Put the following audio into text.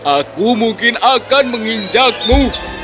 aku mungkin akan menginjakmu